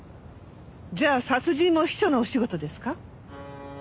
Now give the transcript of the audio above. じゃあ殺人も秘書のお仕事ですか？